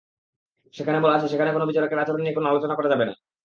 সেখানে বলা আছে, সেখানে কোনো বিচারকের আচরণ নিয়ে আলোচনা করা যাবে না।